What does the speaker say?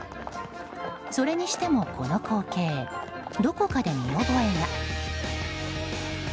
それにしても、この光景どこかで見覚えが。